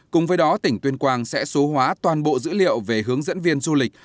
cùng với đó tỉnh tuyên quang sẽ số hóa toàn bộ dữ liệu về hướng dẫn viên du lịch